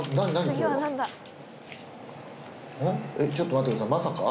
これはちょっと待ってくださいまさか？